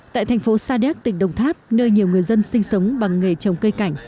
tại thành phố sa đéc tỉnh đồng tháp nơi nhiều người dân sinh sống bằng nghề trồng cây cảnh